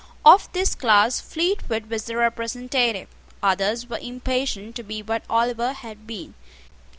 Of this class Fleetwood was the representative. Others were impatient to be what Oliver had been.